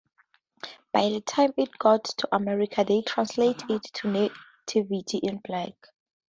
By the time it got to America, they translated it to Nativity In Black.